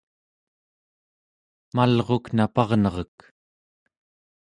malruk naparnerek